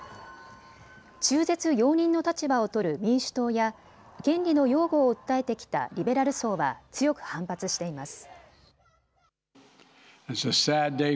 中絶容認の立場を取る民主党や権利の擁護を訴えてきたリベラル層は強く反発しています。